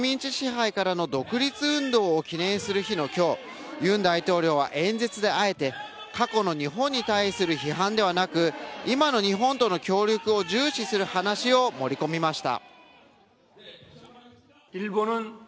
日本の植民地支配からの独立運動を記念する日の今日、ユン大統領は演説であえて過去の日本に対する批判ではなく、今の日本との協力を重視する話を盛り込みました。